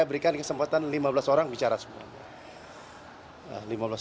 berikan kesempatan lima belas orang bicara semuanya